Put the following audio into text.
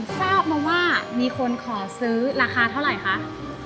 ทราบมาว่ามีคนขอซื้อราคาเท่าไหร่คะ